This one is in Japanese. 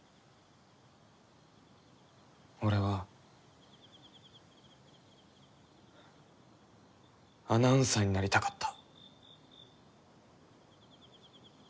俺はアナウンサーになりたかった。